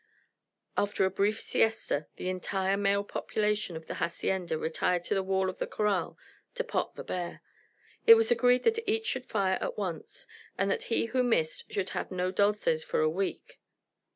After a brief siesta the entire male population of the hacienda retired to the wall of the corral to pot the bear. It was agreed that each should fire at once, and that he who missed should have no dulces for a week.